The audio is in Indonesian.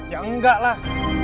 ya enggak lah